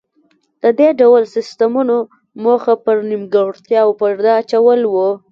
د دې ډول سیستمونو موخه پر نیمګړتیاوو پرده اچول و